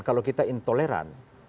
kalau kita intoleran